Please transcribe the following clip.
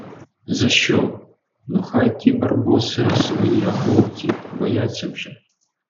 За що? Ну, хай ті барбоси, а свої, а хлопці? Бояться вже.